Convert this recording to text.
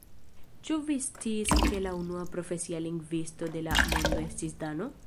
Ĉu vi sciis ke la unua profesia lingvisto de la mondo estis dano?